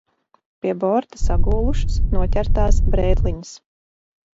Pie borta sagūlušas noķertās brētliņas.